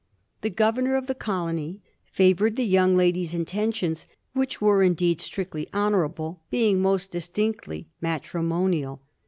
The governor of the colony favored the young lady's intentions, which were indeed strictly honorable, being most distinctly matrimonial.